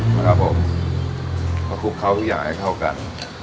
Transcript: ครับครับผมแล้วคลุกเข้าทุกอย่างให้เข้ากัน